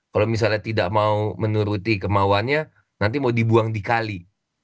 kalau misalnya tidak mau menuruti kemauannya nanti mau dibuang di kali